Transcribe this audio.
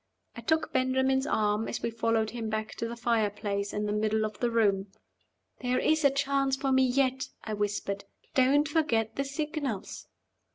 I took Benjamin's arm as we followed him back to the fire place in the middle of the room. "There is a chance for me yet," I whispered. "Don't forget the signals."